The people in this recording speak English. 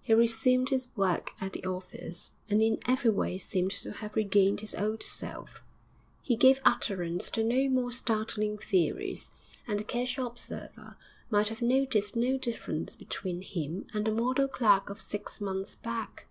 He resumed his work at the office, and in every way seemed to have regained his old self. He gave utterance to no more startling theories, and the casual observer might have noticed no difference between him and the model clerk of six months back.